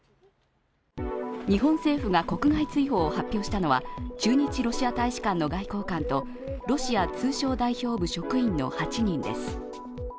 日本政府が国外追放を発表したのは駐日ロシア大使館の外交官とロシア通商代表部職員の８人です。